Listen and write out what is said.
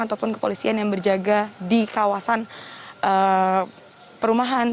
ataupun kepolisian yang berjaga di kawasan perumahan